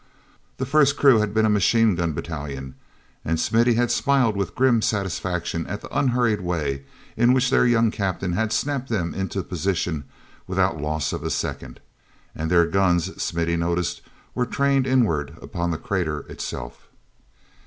That first crew had been a machine gun battalion, and Smithy had smiled with grim satisfaction at the unhurried way in which their young captain had snapped them into position without the loss of a second. And their guns, Smithy noticed, were trained inward upon the crater itself.